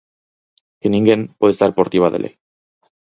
Que ninguén pode estar por riba da lei.